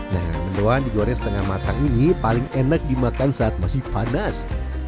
nah mendoan digoreng setengah matang ini paling enak dimakan saat masih panas